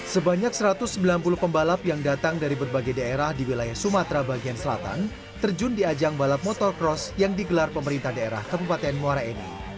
sebanyak satu ratus sembilan puluh pembalap yang datang dari berbagai daerah di wilayah sumatera bagian selatan terjun di ajang balap motorcross yang digelar pemerintah daerah kabupaten muara ini